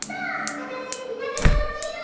あたし田舎がほしいの！